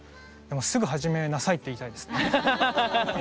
すぐ始めなさいって言いたいですね。